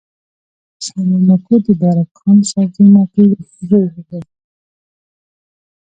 سلیمان ماکو د بارک خان سابزي ماکو زوی دﺉ.